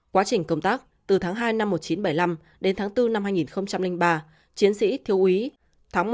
quá trình công tác từ tháng hai một nghìn chín trăm bảy mươi năm đến tháng bốn hai nghìn ba chiến sĩ thiếu úy tháng một một nghìn chín trăm bảy mươi chín